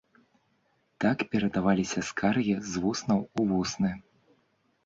Так перадаваліся скаргі з вуснаў у вусны.